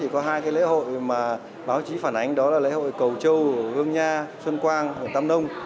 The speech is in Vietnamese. chỉ có hai lễ hội mà báo chí phản ánh đó là lễ hội cầu châu gương nha xuân quang tâm nông